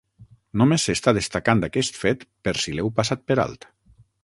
Només s'està destacant aquest fet per si l'heu passat per alt.